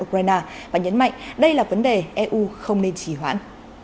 ukraine và nhấn mạnh đây là vấn đề eu không nên chỉ hoãn